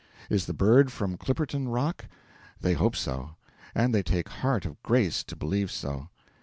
Is the bird from Clipperton Rock? They hope so; and they take heart of grace to believe so.